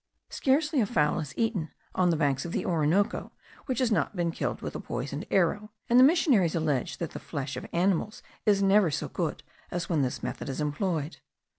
Scarcely a fowl is eaten on the banks of the Orinoco which has not been killed with a poisoned arrow; and the missionaries allege that the flesh of animals is never so good as when this method is employed.